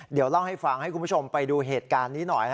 เดี๋ยวเล่าให้ฟังให้คุณผู้ชมไปดูเหตุการณ์นี้หน่อย